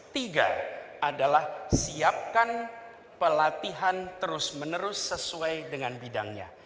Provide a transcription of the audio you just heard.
tiga adalah siapkan pelatihan terus menerus sesuai dengan bidangnya